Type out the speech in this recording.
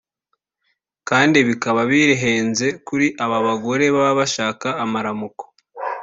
kandi bikaba bihenze kuri aba bagore baba bashaka amaramuko